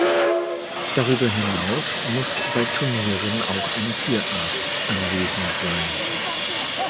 Darüber hinaus muss bei Turnieren auch ein Tierarzt anwesend sein.